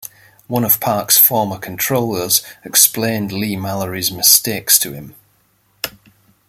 One of Park's former controllers explained Leigh-Mallory's mistakes to him.